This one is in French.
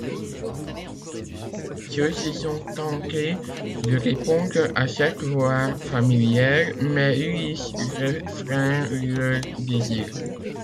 Ceux-ci sont tentés de répondre à cette voix familière, mais Ulysse réfrène leurs désirs.